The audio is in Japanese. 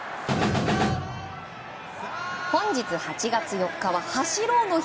本日８月４日は走ろうの日。